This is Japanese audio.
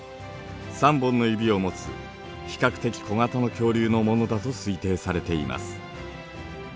３本の指を持つ比較的小型の恐竜のものだと推定されています。